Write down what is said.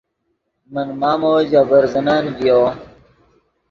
من مامو ژے برزنن ڤیو